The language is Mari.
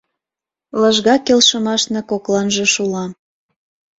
Лыжга келшымашна кокланже шула.